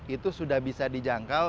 itu sudah bisa dijangkau